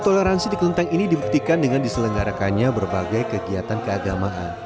toleransi di kelenteng ini dibuktikan dengan diselenggarakannya berbagai kegiatan keagamaan